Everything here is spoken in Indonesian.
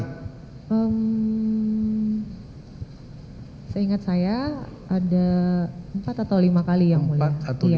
seingat saya ada empat atau lima kali yang mulia